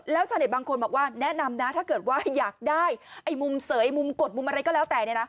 แล้วชาวเน็ตบางคนบอกว่าแนะนำนะถ้าเกิดว่าอยากได้ไอ้มุมเสยมุมกดมุมอะไรก็แล้วแต่เนี่ยนะ